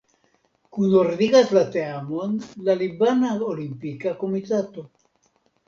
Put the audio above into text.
Kunordigas la teamon la Libana Olimpika Komitato.